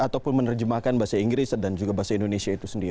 ataupun menerjemahkan bahasa inggris dan juga bahasa indonesia itu sendiri